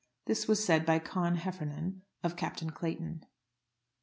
This was said by Con Heffernan of Captain Clayton.